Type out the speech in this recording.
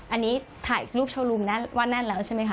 อันนี้ถ่ายลูกแช้นรองชั่วโมงว่าแน่นแล้วใช่ไหมคะ